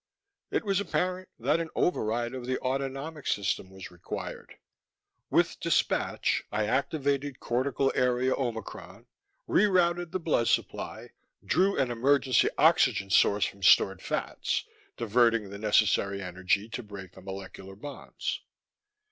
_ _It was apparent that an override of the autonomic system was required. With dispatch I activated cortical area omicron, re routed the blood supply, drew an emergency oxygen source from stored fats, diverting the necessary energy to break the molecular bonds.